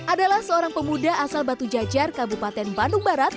adalah seorang pemuda asal batu jajar kabupaten bandung barat